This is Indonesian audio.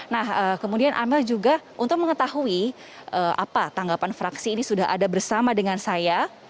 nah kemudian amel juga untuk mengetahui apa tanggapan fraksi ini sudah ada bersama dengan saya